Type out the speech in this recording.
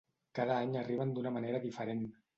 Cada any arriben d'una manera diferent.